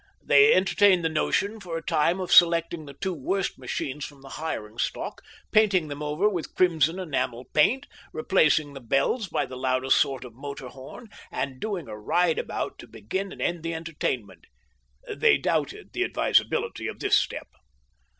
They entertained the notion for a time of selecting the two worst machines from the hiring stock, painting them over with crimson enamel paint, replacing the bells by the loudest sort of motor horn, and doing a ride about to begin and end the entertainment. They doubted the advisability of this step.